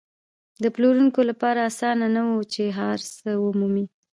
د پلورونکو لپاره اسانه نه وه چې هر څه ومومي.